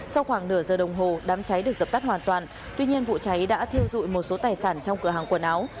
sau khoảng nửa giờ đồng hồ đám cháy được dập tắt hoàn toàn tuy nhiên vụ cháy đã thiêu dụi một số tài sản trong cửa hàng quần áo